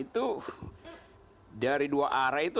itu dari dua arah itu